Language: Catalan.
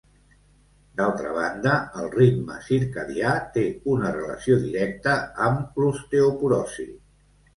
D'altra banda, el ritme circadià té una relació directa amb l'osteoporosi.